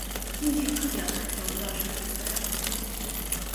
目前课表还找不到上课资料